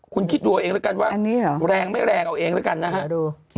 คุณคิดดูเอาเองแล้วกันว่าแรงไม่แรงเอาเองแล้วกันนะฮะ